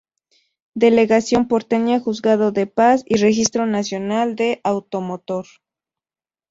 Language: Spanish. Delegación Porteña, Juzgado de Paz y Registro Nacional del Automotor.